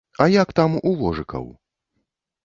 А як там у вожыкаў?